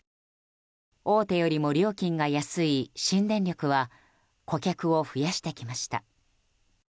大手よりも料金が安い新電力は顧客を増やしてきました。